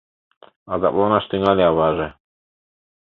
— азапланаш тӱҥале аваже.